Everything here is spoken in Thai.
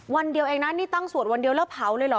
วันเดียวเองนะนี่ตั้งสวดวันเดียวแล้วเผาเลยเหรอ